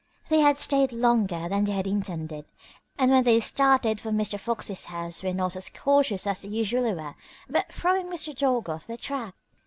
They had stayed longer than they had intended, and when they started for Mr. Fox's house were not as cautious as they usually were about throwing Mr. Dog off their track.